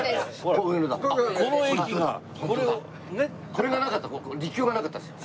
これがなかった陸橋がなかったんですよ。